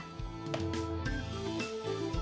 กลายเป็นประเพณีที่สืบทอดมาอย่างยาวนาน